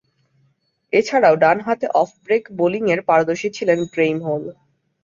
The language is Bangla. এছাড়াও, ডানহাতে অফ ব্রেক বোলিংয়ে পারদর্শী ছিলেন গ্রেইম হোল।